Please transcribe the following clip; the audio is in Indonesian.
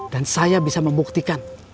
dan saya bisa membuktikan